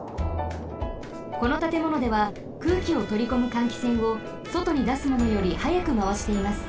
このたてものでは空気をとりこむ換気扇をそとにだすものよりはやくまわしています。